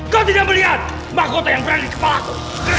kau tidak melihat mahkota yang berani kepalaku